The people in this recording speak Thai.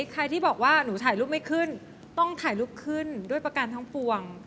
ใครที่บอกว่าหนูถ่ายรูปไม่ขึ้นต้องถ่ายรูปขึ้นด้วยประกันทั้งปวง